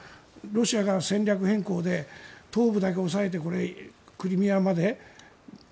ロシアが戦略変更で東部だけ抑えてクリミアまで。